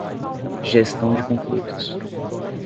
Gestão de conflitos